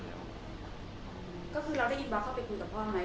คือได้บล็อกเข้าไปคุยกับพ่อมั้ยว่าเนี่ย